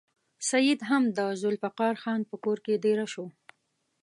سید هم د ذوالفقار خان په کور کې دېره شو.